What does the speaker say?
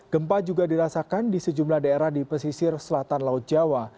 gempa juga dirasakan di sejumlah daerah di pesisir selatan laut jawa